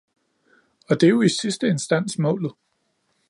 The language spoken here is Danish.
Og det er jo i sidste instans målet.